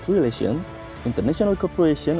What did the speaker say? kooperasi internasional dengan pelanggan